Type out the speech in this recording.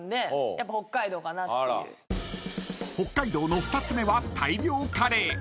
［北海道の２つ目は大漁カレー］